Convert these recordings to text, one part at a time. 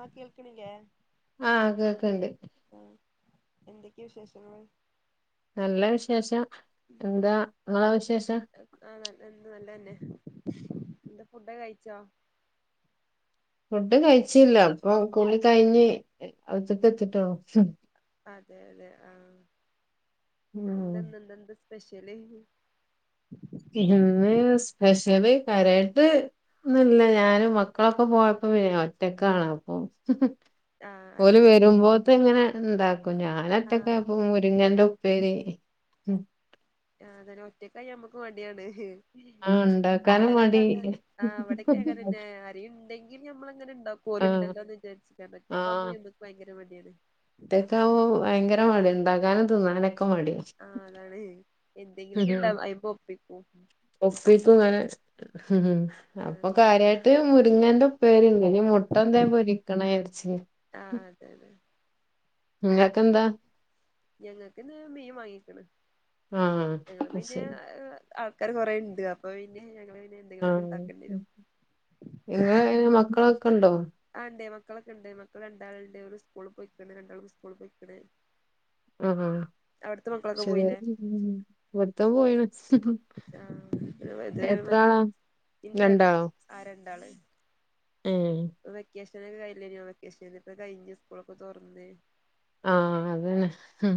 ആ കേൾക്കണില്ലേ ആഹ് കേക്ക്ണ്ട് ആഹ് എന്തൊക്കെ വിശേഷങ്ങള്? നല്ല വിശേഷം എന്താ ഇ ങ്ങളെ വിശേഷം. ആഹ് എന്ത് നല്ലതന്നെ എന്താ ഫുടൊക്കെ കഴിച്ചോ? ഫുഡ് കഴിച്ചില്ല ഇപ്പൊ കുളി കഴിഞ്ഞ് [unintelligible] എത്തിട്ടോള്ളൂ അതെ അതെ ആഹ് ഉം എന്തെന്ത് എന്തെന്ത് [inaudible] ഇന്ന് സ്പെഷ്യല് കരയട്ട് ന്നല്ല ഞാനും മക്കളും ഒക്ക പോയപ്പോ ഒറ്റക്കാണ് അപ്പ ആഹ് ഓല് അതാണ് ഒറ്റ വരുമ്പോതങ്ങനെ ഇണ്ടാക്കും ഞാനൊറ്റക്ക് ആഹ് അപ്പോ മുര്ങ്ങേന്റ ഉപ്പേരി ച്ചി [inaudible] ആഹ് ഇണ്ടാക്കാനും ഞാനെക്ക മടി അങ്ങനെ തന്നെ ആ അവട ക്കെ അങ്ങനന്ന [unintelligible] ട ആഹ് കോലുണ്ടല്ലാ ന്ന് വിചാരിച്ച്ട്ടാണ് ഞാ ഒറ്റക്കാവുമ്പോ ഭയങ്കര മടിയാണ് ഒറ്റക്കാമ്പോ ഭയങ്കര മടി എണ്ടാക്കാനും തോന്നോ അല്ലേ ആ അതാണ് എന്തെങ്കിലും ക്കഎണ്ടാവും [unintelligible] [unintelligible] ഹ്ഹ് അപ്പോ കാര്യായിട്ട് മു ങ്ങേന്റ ഉപ്പേ---രി ഇനി മൊട്ടന്തേം പൊരിക്കണേ ചേ മ് ആഹ് അതെ അതെ ഇങ്ങക്കെന്താ ഞങ്ങക്കിന്ന് മീൻ വാങ്ങിക്ക്ണ് ആ ഞങ്ങള് അത് പിന്നെ ശരി ആൾക്കാര് കൊറെയിണ്ട് അപ്പ പിന്നെ ഞങ്ങള് പിന്നെ ആ എന്തെങ്കിലൊക്കെ ഇണ്ടാക്കേണ്ടി ഉം വരും [unintelligible] മക്കളൊ ക്കൊണ്ടോ ആണ്ടെ മക്കളൊക്കെ ഇണ്ട് മക്കള് രണ്ടാള്ണ്ട് അവര് സ്കൂളി പോയിക്കണ് രണ്ടാളും സ്കൂളി പോയിക്കണ് അആ ഹാ ശരിയാ ഉം ഉം ഒരുത്തൻ പോയിന് ആ എത്ര [unintelligible] ആളാ എനിക്ക് രണ്ടാള് രണ്ടാളോ ആ രണ്ടാള് ഏഹ് വെക്കേഷൻ ഇപ്പോഴും കഴിഞ്ഞില്ലയോ വെക്കേഷൻ ഇപ്പൊ കഴിഞ്ഞ് സ്കൂളൊക്കെ തൊറന്ന് ആ അതന്നെ ഹ്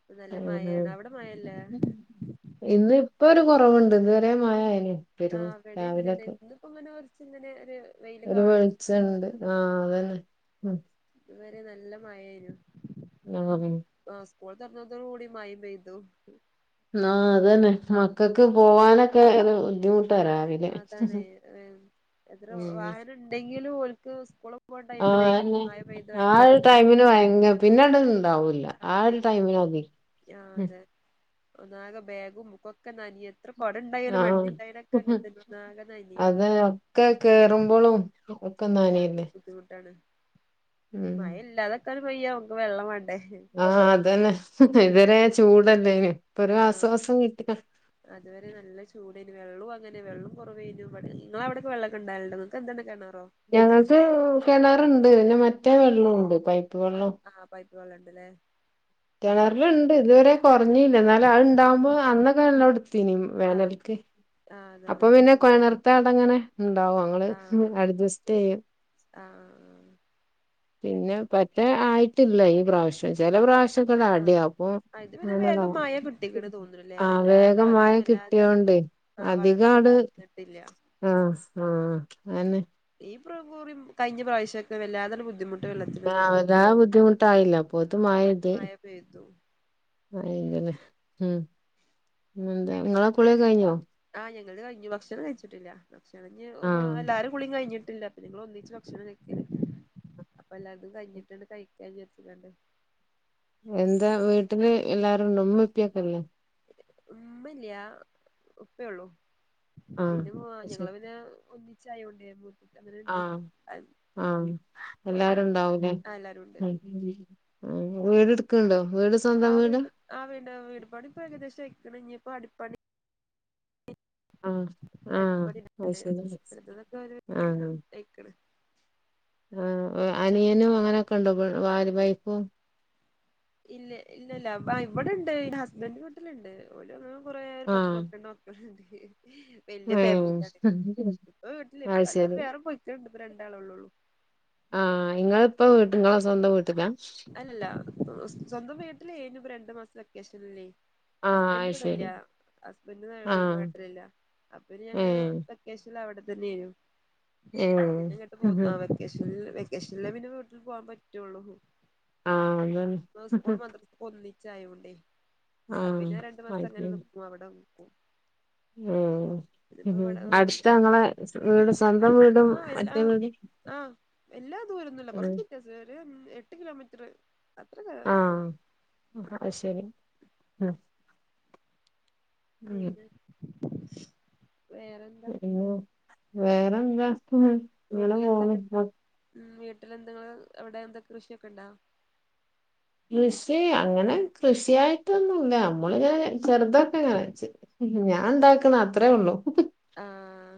ഇപ്പൊ നല്ല മഴയാണ് അവിടെ മഴല്ലേ ഇന്നിപ്പോ ഇപ്പ ഒരു കൊറവുണ്ട് ഇതുവരെ മയയായിന് ആ ഇവിടെ അങ്ങനന്നെ ഇന്നിപ്പോ അങ്ങനാ ഇങ്ങനെ ഒരു വെയില് ഒരു കാണ് വെളിച്ചണ്ട് ആ അത് തന്നെ ഉം ഇതുവരെ നല്ല മയയായിരുന്നു ങാ സ്‌കൂള് തോർനോട്തോട് കൂടി മയേം പെയ്തു ന്നാ അതന്നെ മക്കക്ക് പോവാനൊക്കെ ഏ ബുദ്ധിമു അതാണേ വേ എത്ര ഉം വാഹനം ഇണ്ടെങ്കിലും ഓൽക്ക് ഇസ്കൂള് പോണ ടൈമിലായിരിക്കും ആന്നെ മയ പെയ്ത് ആ ഭയങ്കര ഒരു ടൈമിന് ബുദ്ധിമുട്ട് ഭയങ്കര പിന്നട് ഇണ്ടാവൂല്ല ആ ഒരു ടൈമില്മതി മ് ഒന്നാകെ ബെഗും ബുക്കൊക്കെ നനയെണ് ആഹ് ഹ് ഹ് ഒന്നാകെ നനയും അതന്നെ ഒക്കെ കേറുമ്പളും ഒക്കെ നനയിന്നെ മയില്ലാത്ക്കാനും പെയ്യാം നമ്ക്ക് വെള്ളം വേണ്ടേ ആഹ് അതന്നെ ഹ് ഹ് ഇവരേജ് ചൂടല്ലേ വേ ആഹ് അത് വരെ നല്ല ചൂടെനു വെള്ളോം അങ്ങനെ വെള്ളും കൊറ വേനു ഇവടെ നിങ്ങളവിടക്ക് വെള്ളൊക്കെണ്ടാകല്ണ്ട നിങ്‌ക്ക്‌ എന്താണ് കിണ ഞങ്ങക്കു കെണറ് ണ്ട് പിന്നേ മറ്റേ വെള്ളോം ണ്ട് പൈ പ്പ് വെള്ളം പ്പ് വെള്ളണ്ട്ലെ കെണർലിണ്ട് ഇത് വരേ കൊറഞീല എന്നാലും അത്ണ്ടാവുമ്പോ അന്നൊക്കെ എല്ലോട് ത്തിനും ആഹ് വേനൽക്ക് ആഹ് അപ്പൊ അതാണ് പിന്നേ കെണർ ത്താടങ്ങനെ ണ്ടാവോ അങ്ങള് ആഹ് അഡ്ജസ്റ്റെയ്യും ആഹ് പിന്നേ പറ്റെ ആയിട്ടില്ല ഈ പ്രാവിശ്യം ചെല പ്രാവിശ്യ ഇത് ആഹ് ഇപട്യാവും അപ്പൊ ഇത് പിന്നെ വേഗം മഴ കിട്ടിക്ക്ണ് തോന്ന്ണ്ല്ലേ ആഹ് വല്ലാതെ വേഗം ആർക്കും വാങ്ങി വല്ലാതെ കിട്ടിയോണ്ടെ ആ വളർച്ചണ്ട് അതികങ്ങ്ട് വന്നിട്ടില്ല ആഹ് ആഹ് അയ്ന്നെ ഇപ്രബുറിം കഴിഞ്ഞ പ്രാവിശ്യൊക്കെ വല്ലാതണ്ട് ബുദ്ധിമു ആഹ് വല്ലാതെ ബുദ്ധിമുട്ടായില്ല അപ്പോത്തും മഴയെയ്ത് മഴ പെയ്തു അയിങ്ങനെ മ് പിന്നെന്താ ഇങ്ങളെ കുളിഒക്കെ കൈഞ്ഞോ ആ ഞങ്ങള്ത് കൈഞ്ഞു ഭക്ഷണം കഴിച്ചിട്ടില്ല ഇഞ് വോ ആഹ് എല്ലാരെകുളീം കയ്ഞ്ഞ് ല്ല പിന്നെ ഞങ്ങളൊന്നിച്ച് ഭക്ഷണം കഴിക്കല് അപെല്ലാർതും കഴിഞ്ഞട്ട്ണ്ട് കയ്ക്കാവിജാരിച്ച്ങ്ങാണ്ട് എന്താ വീട്ട്ല് എല്ലാരുണ്ട ഉമ്മേം ഉപ്പ്യൊക്കില്ലേ ഉമ്മല്ല്യാ ഉപ്പയൊള്ളു ആഹ് പിന്നേ മൊ ഞങ്ങള് പിന്നേ കു ചായോണ്ട് [unintelligible] ആ ആ ഓലെ എല്ലാരുണ്ടാവുലേ ആ എല്ലാരുണ്ട് ആ എല്ലാരും ഉണ്ട്. ഉം ആ വീടെടുക്ക്ണ്ടോ ആ വീട് ആ വിട് വീട് പണി ഇപ്പൊ ഏകദേശ ആയിക് ക്ക്ണ് ഇഞ്ഞിപ്പോ അടിപണി ആഹ് ആഹ് അത് അടിപണിട്ക്ക്ണ്ട് ശരി എട്ത്തതൊക്കെ ഒരു വിധം ആയിക്ക്ണ് ആ അനിയനും അങ്ങനെക്കെണ്ട [unintelligible] വാല് പൈപ്പോ ഇല്ല ഇല്ലല്ലാ ആ ഇവിടിണ്ട് ഹസ്ബൻഡ് വീട്ടിൽ ഇണ്ട് ഓലൊന്നും കുറേ പത്ത് ആഹ് പന്ത്രണ്ട് മക്കള്ണ്ട് വെല്യ ഏഹ് ഫേമിലിയാണ് ഇപ്പൊ വീട്ടില് അത് എല്ലാരും ശരി വേറെ പോയ്ക്ക്ണ് ഇപ്പ രണ്ടാളുള്ളൂള്ളൂ ആ ഇങ്ങള് ഇപ്പൊ ഇങ്ങളെ സ്വന്തം വീ അല്ലല്ല ഉം സ്വന്തം വീട്ടില് എളു രണ്ട് മാസ്ത്ത വെക്കേഷൻ ല്ലേ ആഹ് ഹസ്ബൻഡ് അത് ഇവിടില്ല ശരി ഹസ്ബൻഡ് ആഹ് നാട്ടിലില്ല അപ്പിനി ഞങ്ങള് ഏഹ് വെക്കേക്ഷൻ അവിട [unintelligible] ഏഹ് പിന്ന ഇങ്ങട്ട് പൊന്ന് ആ വെക്കേഷനിൽ വെക്കേ ഷനിലേയ് പിന്ന [inaudible] പോവാൻ പാറ്റൊള് [inaudible] ആഹ് അതന്നെ ഒന്നിൽ ചായുടി ആ പിന്ന ആഹ് രണ്ട് മാസം അങ്ങന നിക്കും അവിട ഉം പിന്നെപ്പോ ഇവിടെ [unintelligible] ഞങ്ങളെ വീട് സ്വന്തം വീടും ആഹ് മറ്റേ എല്ലാം വിടും ആഹ് എല്ലാ ദൂരൊന്നുല്ല ഉം കൊറച്ച് വ്യത്യാസം ഒരു [unintelligible] [unintelligible] ആ ഉള്ളു അയിശേരി ആ പിന്ന [inaudible] വേറെ [unintelligible] ഇങ്ങന പോണ് ന്തെങ്കിലും എവിട എന്തെങ്കിലും കൃഷിയോക ഒണ്ടോ കൃഷി അങ്ങന കൃഷി ആയിട്ട് ഒന്നും ഇല്ല മ്മള് ഇങ്ങന ചെർദ് ഒക്കെ [unintelligible] ഞാൻ ഇണ്ടാക്കണ് അത്രെള്ളു ആഹ്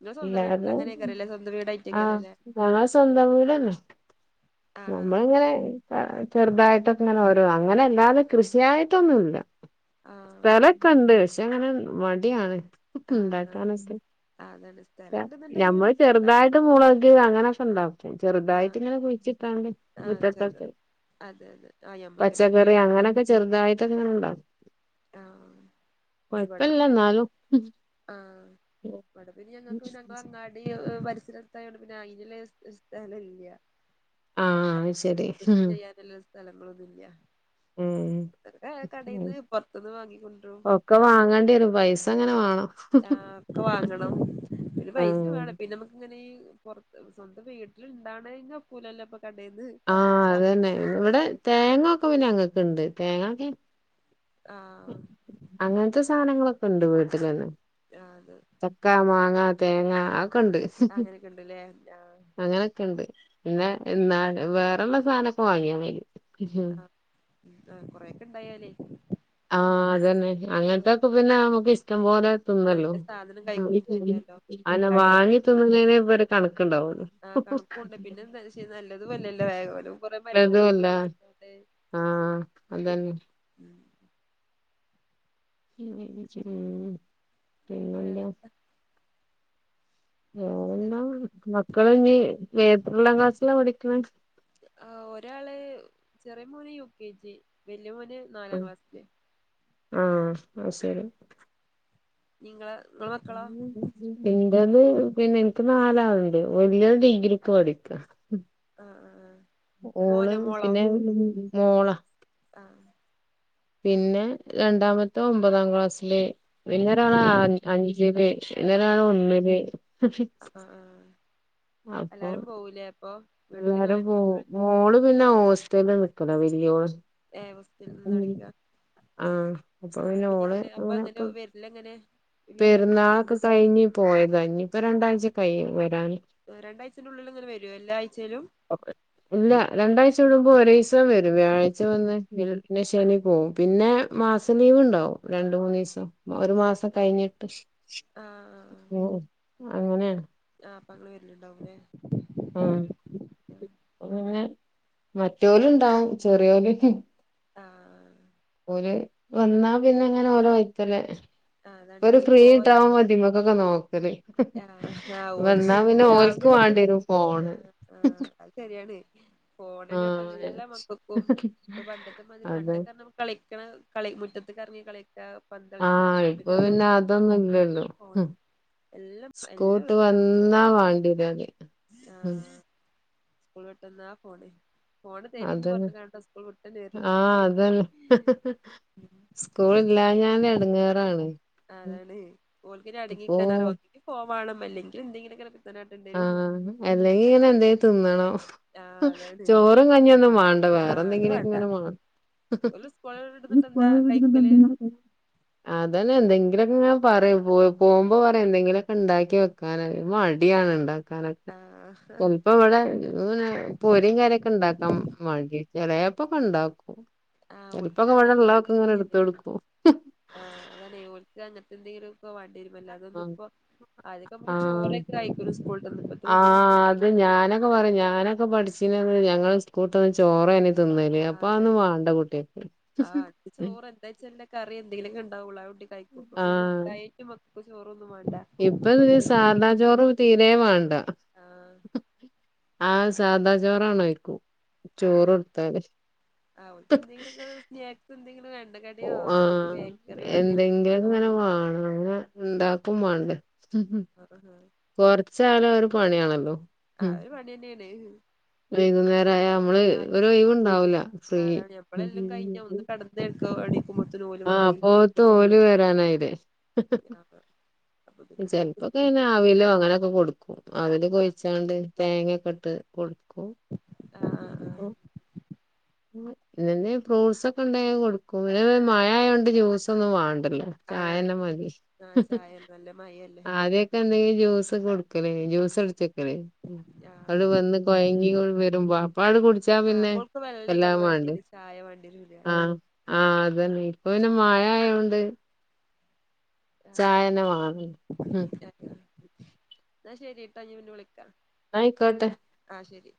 ഇങ്ങള് സ്വന്തം വീട്ടിൽ എലരും അങ്ങനെയ്ക്കാരല്ലേ സ്വന്തം ആഹ് വീടായിട്ടേക്കാരല്ലേ ഞങ്ങളെ സ്വന്തം. വീടനെ ആഹ് നമ്മള് ഇങ്ങനെ ചെറുതായിട്ട് ഇങ്ങനെ ഒ അങ്ങനെല്ലാതെ കൃഷിയായിട്ടൊന്നുല്ല ആഹ് സ്ഥലൊക്കെ ണ്ട്. [unintelligible] അങ്ങനെ മടിയാണ് ആഹ് ആഹ് ഉണ്ടാക്കാനൊക്കെ ആഹ് അതാണ് സ്ഥലം ഇണ്ട്ന്ന്ണ്ടെങ്കി ഞമ്മള് നമുക്ക് ഇണ്ടാ ചെറുതായിട്ട് മൂളക് അങ്ങനോക്കെ ഇണ്ടാകും. ചെറുതായിട്ട് ആഹ് ഇങ്ങനെ കുയിച് [unintelligible] ആഹ് ചെല മുറ്റത്തൊക്കെ അതെ അതെ ആഹ് ഞമ്മക്കന്നെ പച്ചക്കറി അങ്ങനെയൊക്കെ ചെറുതായിട്ട്. ഇങ്ങനെ ക്കെ ണ്ടാകും. ആഹ കൊഴപ്പല്ല ഇവിടെപ്പിന്ന ഞങ്ങൾക്ക് എന്നാലും ആ ഞങ്ങൾക്ക് ഞങ്ങളെ അങ്ങാടി. പരിസര ഇതായതോണ്ട് പിന്നെ അയിലില് സ്ഥലല്ല്യാ ആഹ് പിന്നെ ശരി കൃഷി ഉം ചെയ്യാനുള്ള സ്ഥലങ്ങളൊന്നുംല്ല ഉം ഇതൊക്ക ഉം. കാടെന്ന് ഒക്കെ വാങ്ങേണ്ടി വരും പൈസ അങ്ങനെ വേണം. ആ ടാപ് വാങ്ങണം പിന്നെ പൈസ വേണം ആഹ് പിന്നെ നമ്മുക്ക് ഇങ്ങനെ സ്വന്തം വീട്ടിൽ ഉണ്ടാവുന്നതിനൊക്കുളല്ലോ ആഹ് അത് തന്നെ ഇവിടെ തേങ്ങൊക്കെ പിന്ന അങ്ങ ക്കണ്ട് തേങ്ങക്കെ ആഹ് അങ്ങനത്തെ സാധനങ്ങളൊ കൊണ്ട് വീട്ടിൽ തന്നെ അത് ചക്കാ മാങ്ങ തേങ്ങ ക്ക് ഉണ്ട് അങ്ങനെയൊക്കെ ഉണ്ടല്ലേ ആഹ് അങ്ങനൊക്കെണ്ട് പിന്നെ എന്നാല വേറെ ഉള്ള സാധനൊക്കെ വാങ്ങിയാ മതി ഹം ആഹ് ആഹ് കൊറെയൊക്കെ ഇണ്ടായലെ ആ അത തന്നെ അങ്ങനത്തൊക്കെ പിന്നെ നമുക്ക് ഇഷ്ടം പോലെ തിന്നല്ലോ നല്ല സാധനം [inaudible] കഴിക്കും ചെയ്യാലോ അങ്ങനെ വാങ്ങി തിന്നുന്നേ ഇവിടെ കണ ഉണ്ടാവും ആഹ കണുപ്പുംണ്ട് പിന്നെ എന്താ നല്ലതുമല്ലല്ലോ വേഗ പോല കുറ മരുന്ന് പോ അതുമല്ല ആഹ് അതന്നെ ഉം പിന്നെന്താ വേറെന്താ വേറെന്താ മക്കൾ ഇനി [unintelligible] ക്ലാസ്സിലാ പഠിക്കണേ [unintelligible] യുകെജി ല്ല്യ മോന് നാലാം ക്ലാസ്സില് മ്മ് ശെരി നിങ്ങള് [unintelligible] പിന്നെനിക് നാലാളൊണ്ട് [unintelligible] ഡിഗ്രിയ്ക് പഠിക്ക ആഹ് ആഹ് ഓള് മോനോ പിന്നെ മോള ആ പിന്നെ രണ്ടാമത്തേ ഒമ്പതാം ക്ലാ സ്‌ല് പിന്നൊരാൾ അഞ്ചില് ആഹ് പിന്നൊരാള് ഒന്നില് ആഹ് ആഹ് എല്ലാരും പോവൂല്ലേ അപ്പം [unintelligible] [unintelligible] ഓസ്ട്രേലിയ നിക്കല് [unintelligible] [unintelligible] [unintelligible] [unintelligible] [unintelligible] അപ്പൊ ആഹ് എങ്ങനെ അപ്പൊ പിന്നെ എങ്ങനെ വരലെങ്ങനെ ലീവ് എങ്ങനെ പെരുന്നാൾ ഒക്കെ കഴിഞ്ഞു പോയത് ഇപ്പോൾ രണ്ടാഴ്ച കഴിയും വരാൻ രണ്ടാഴ്ചന്റെ ഉള്ളിൽ ഇങ്ങനെ വരുവോ എല്ലാ ആഴ്ചയിലും രണ്ടാഴ്ച കൂടുമ്പോൾ ഒരാഴ്ച വരും വ്യാഴാഴ്ച മാസം ലീവ് ഉണ്ടാവും രണ്ടുമൂന്ന് ദിവസം കഴിഞ്ഞിട്ട് ആ ആ ഉം അങ്ങനെയാണ് വരുന്നുണ്ടാവും മറ്റവർ ഉണ്ടാവും ചെറിയവരെ ആ ആ എന്നാ പിന്നെ ആഹ് അതാണ് ഓരോ ഓല് ഫ്രീ പോയ ആവുന്നു ആഹ് ഓല് പോയി രാവിലെള്ളപ്പോ ഇപ്പോൾ ഫോണിന് എല്ലാ മ ക്കളും അതെ [unintelligible] [inaudible] എല്ലാം [unintelligible] എല്ലാ വീട്ടിലെ അവസ്ഥ ആഹ് [inaudible] സ്കൂൾ വിട്ടു വന്നാൽ ഫോണ് ഫോണ് തരീന്ന് അതന്നെ പറഞ്ഞ്ങ്ങാണ്ട സ്കൂൾ വിട്ടന്നെ വരല് ആ അതെ സ്കൂൾ ഇല്ലാഞ്ഞാല് എടങ്ങേറാണ് അതാണ് ഓൾക്ക് ഇപ്പോ ഒരടങ്ങിക്കാൻ [inaudible] വാണം അല്ലിങ്കിൽ എന്തെങ്കിലും ഒക്കെ ആ അല്ലെങ്കി ഇങ്ങനെ എന്തേലും തിന്നണം ആഹ് അതാണ് ചോറും കഞ്ഞിയൊന്നും വേണ്ട ആഹ് അത് വെറെന്തെങ്കിലും ഒക്കെ വേണ്ട ഇങ്ങനെ വേണം ഓല് സ്കൂള് വിടുന്നിട്ട് എന്താ കഴിക്കല് അതന്നെ എന്തെങ്കിലും ഒക്കെ ഇങ്ങനെ പറയും പോ ചോ പോമ്പും പറയും എന്തെങ്കിലും ഇണ്ടാക്കി വെക്കാനൊരു മട് ടിയാണ് ഇണ്ടാ ക്കാനെക്കെ ആഹ് ഇപ്പോ ഇവിടെ ഇങ്ങനെ പൊരിയും കടിയൊക്കെ ഇണ്ടാക്കാൻ മടിയാ ചെലേപ്പ പ്പ ഒക്കെ ഒണ്ടാക്കും ആ ഓൾക്ക് പിന്നെ അങ്ങത്തെ കൊടുക്കും ആ അതാണെ ഓൾക്ക് അങ്ങ എന്തെങ്കിലും വേണ്ടിവരും അല്ലാതൊന്നും ആഹ് ഇപ്പം അതൊക്കെ നമ്മക്ക് ആഹ് ചോറൊക്ക്കെ കയിക്കും സ്കുള് വിട്ട് വരുമ്പം ഇപ്പത്തെ മക്കളൊന്നും ആഹ് അത് കയിക്കൂലല്ലോ. ഞാനൊക്കെ സ്കൂ വിട്ട് വന്ന് ചോറെയ്നു ആ അതാണ് ആ അത് ചോറ് എന്താ വെച്ചാല് കറി എന്തെങ്കിലുക്കെ ണ്ടാവുള്ള് അത് കൂട്ടി കയ്ക്കും പ്പ ഡയ പ്പ ചോ ഇപ്പം സാദാ ചോറ് തീരെ വേണ്ട ആഹ് ആ സാദാ ചോറാണ് വെയ് യ്ക്കും. ആ ആ ഓലിക്ക് എന്തെങ്കിലും ഒക്കെ സ്നാക്സ് എന്തെങ്കിലും വേണ് ആ എന്തെങ്കിലും എന്തെങ്കിലൊക്കെ ഇങ്ങനെ വാണം വേണങ്കി ഇണ്ടാ [unintelligible] [unintelligible] കൊറച്ചാണേലും ഒരു പണിയാണല്ലോ. അതൊരു പണിയന്നെ ആണ്. വൈകുന്നേരം ആയാല് നമ്മള് ഒരു ഒഴിവ് ഒണ്ടാകൂല്ല ഫ്രീ ആ അതാണ് ഞമ്മളെല്ലാം കഴിഞ്ഞ ഒന്ന് കടന്നേക്ക എണീക്കുമ്പോത്തിന് ഓല് ആ വന്നീല്ല അപ്പോത്തോല് വരാനായില്ലേ അപ്പൊ പിന്നെ ചെലപ്പോ ഒക്കെ ഓൽക്ക് ഇങ്ങനെ ആവിയിലോ അങ്ങനൊക്കെ കൊടു ക്കും. അവില് ആ കൊയ്ച്ചാണ്ട് തേങ്ങ [unintelligible] [unintelligible] ആ ഫ്രൂട്ട്സ് ഒക്കെ ഇണ്ടങ്കി കൊടുക്കും. മയ ആയോണ്ട് ജൂസ് ഒന്നും വാണ്ട് ആ അതാണ് ചായന്നെ മതി ആ ഉം ഉം ചായ നല്ല മഴയല്ലേ അധ്യാവൊക്കെ എന്തേലും ജ്യൂസ് കൊട് ങ്ങനെ ജൂസട്ച്ച് വെക്കാണെ ആ അത് വന്ന് കുഴങ്ങി വരുമ്പോ അപ്പോണ്ട് കുടിച്ച ആ പിന്നെ അപ്പൊ ഓൾക്ക് എല്ലാ വെള്ളേക്കാരം മാണ്ടെ വേണ്ടിയത് ചായ വേണ്ടിവരൂല ആ ആ ഇപ്പോ പിന്നെ മഴ ആയോണ്ട് ആ ചായന്നെ വാങ്ങു ഉം എന്നാ ശരിട്ടോ ഞാൻ പിന്നെ വിളിക്കാം ആയിക്കോട്ടെ ആ ശരി